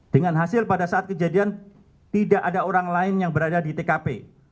dengan hasil pada saat kejadian tidak ada orang lain yang berada di tkp